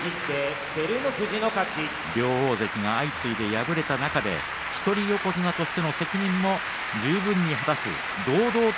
両大関が相次いで敗れた中で一人横綱としての責任も十分に果たしました。